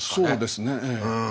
そうですね。